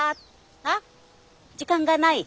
あ時間がない。